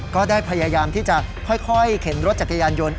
ก็ได้พยายามที่จะค่อยเข็นรถจักรยานยนต์